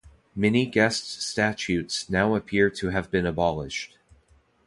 Many guest statutes now appear to have been abolished.